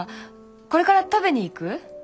これから食べに行く？